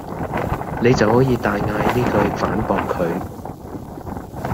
你就可以大嗌呢句反駁佢